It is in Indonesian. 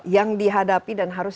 yang dihadapi dan harus